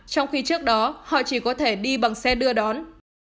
trong khi trước đó họ chỉ có thể đi bằng xe đưa đón